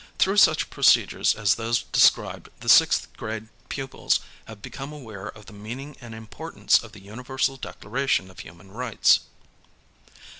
Through such procedures as those described the sixth grade pupils have become aware of the meaning and importance of the Universal Declaration of Human Rights.